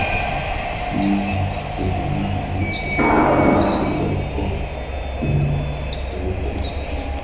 nyingi hasa kulingana na nchi ya asili ya ukoo wao Kati ya lugha hizo